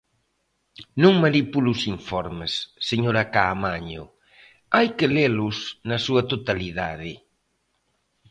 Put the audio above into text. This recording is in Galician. Non manipulo os informes, señora Caamaño, hai que lelos na súa totalidade.